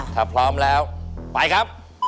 ถ้าพร้อมแล้วไปครับ